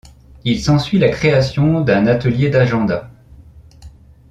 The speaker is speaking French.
Il s'ensuit la création d'un atelier d’agendas.